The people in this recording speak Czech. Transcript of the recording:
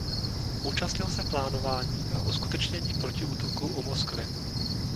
Účastnil se plánování a uskutečnění protiútoku u Moskvy.